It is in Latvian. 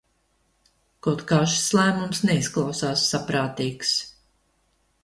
Kaut kā šis lēmums neizklausās saprātīgs.